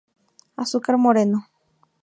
Azúcar moreno.